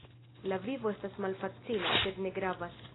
La vivo estas malfacila, sed ne gravas.